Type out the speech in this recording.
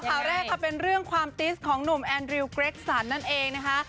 ข่าวแรกค่ะเป็นเรื่องความติสของหนุ่มแอนริวเกร็กสันนั่นเองนะคะ